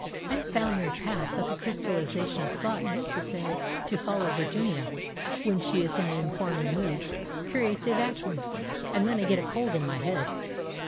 I have found in the past that the crystallisation of thought necessary to follow Virginia, when she is in an informing mood, creates a vacuum, and then I get a cold in my head.